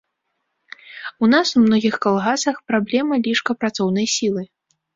У нас у многіх калгасах праблема лішка працоўнай сілы.